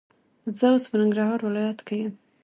زه اوس په ننګرهار ولایت کې یم.